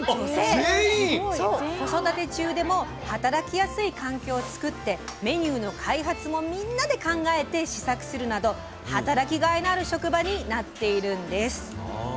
子育て中でも働きやすい環境を作ってメニューの開発もみんなで考えて試作するなど働きがいのある職場になっているんです。